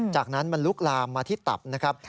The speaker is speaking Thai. จากนั้นมันลุกลามมาที่ตับนะครับ